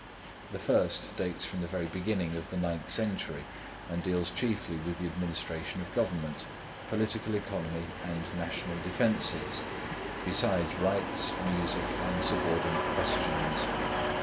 The first dates from the very beginning of the ninth century, and deals chiefly with the Administration of Government, Political Economy, and National Defences, besides Rites, Music, and subordinate questions.